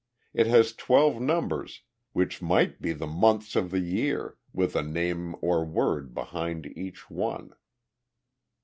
It has twelve numbers, which might be the months of the year, with a name or word behind each one!"